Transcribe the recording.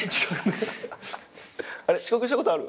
遅刻したことある？